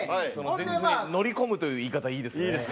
前日に「乗り込む」という言い方いいですね。